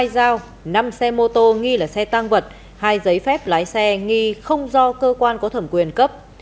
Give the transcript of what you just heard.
hai dao năm xe mô tô nghi là xe tăng vật hai giấy phép lái xe nghi không do cơ quan có thẩm quyền cấp